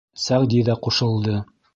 Сәғди ҙә ҡушылды: